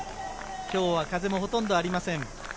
今日は風もほとんどありません。